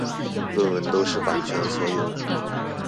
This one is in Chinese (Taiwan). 論文都是版權所有